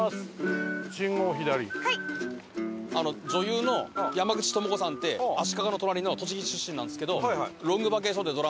女優の山口智子さんって足利の隣の栃木市出身なんですけど。